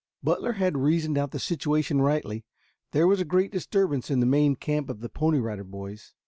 Butler had reasoned out the situation rightly. There was a great disturbance in the main camp of the Pony Rider Boys.